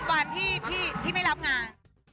วันที่ไม่รับงาน